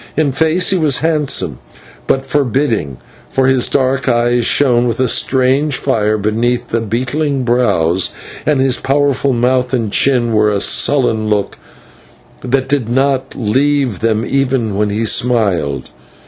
In face he was handsome, but forbidding, for his dark eyes shone with a strange fire beneath the beetling brows, and his powerful mouth and chin wore a sullen look that did not leave them even when he smiled.